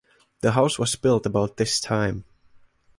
The house was built about this time.